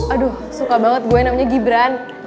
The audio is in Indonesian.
aduh suka banget gue namanya gibran